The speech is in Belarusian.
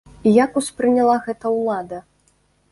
І як успрыняла гэта ўлада?